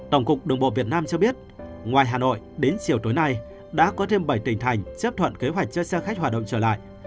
tổng cục đường bộ việt nam cho biết ngoài hà nội đến chiều tối nay đã có thêm bảy tỉnh thành chấp thuận kế hoạch cho xe khách hoạt động trở lại